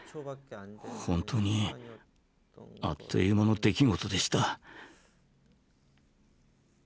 本当にあっという間の出来事でした。